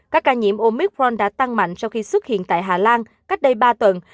các ca nhiễm omicron đã tăng mạnh sau khi xuất hiện tại hà lan cách đây ba tuần